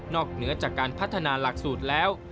เหนือจากการพัฒนาหลักสูตรแล้ว